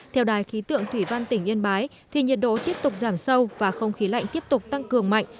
theo đài khí tượng thủy văn tỉnh yên bái thì nhiệt độ tiếp tục giảm sâu và không khí lạnh tiếp tục tăng cường mạnh